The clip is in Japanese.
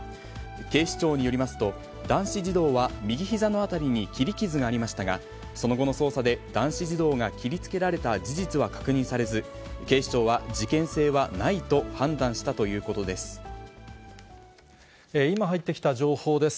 警視庁によりますと、男子児童は右ひざの辺りに切り傷がありましたが、その後の捜査で、男子児童が切りつけられた事実は確認されず、警視庁は事件性はな今入ってきた情報です。